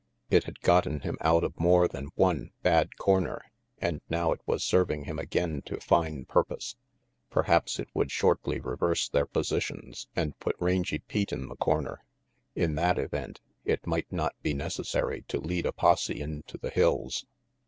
It had gotten him out of more than one bad corner, and now it was serving him again to fine purpose. Perhaps it would shortly reverse their positions and put Rangy Pete in the corner. In that event, it might not be necessary to lead a posse into the hills.